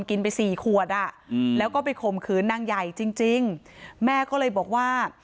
กินไปสี่ขวดอ่ะแล้วก็ไปข่มขืนนางใหญ่จริงจริงแม่ก็เลยบอกว่า